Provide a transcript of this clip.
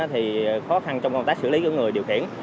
thì khó khăn trong công tác xử lý của người điều khiển